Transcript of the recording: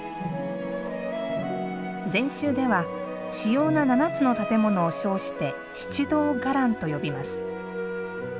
禅宗では主要な７つの建物を称して「七堂伽藍しちどうがらん」と呼びます。